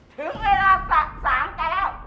ถึงเวลาฝากสางแก